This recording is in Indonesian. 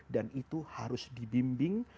dan itu harus dibimbing